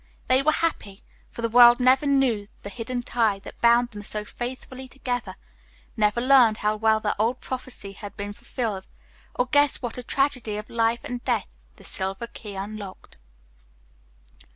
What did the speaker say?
They were happy, for the world never knew the hidden tie that bound them so faithfully together, never learned how well the old prophecy had been fulfilled, or guessed what a tragedy of life and death the silver key unlocked.